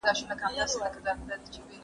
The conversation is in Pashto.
سر پر سر یې ورته لیکم قصیدو ته مي زړه کیږي